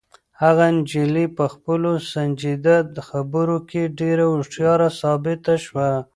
هغه نجلۍ په خپلو سنجیده خبرو کې ډېره هوښیاره ثابته شوه.